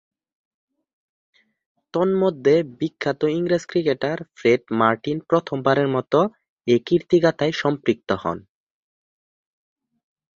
তন্মধ্যে, বিখ্যাত ইংরেজ ক্রিকেটার ফ্রেড মার্টিন প্রথমবারের মতো এ কীর্তিগাঁথায় সম্পৃক্ত হন।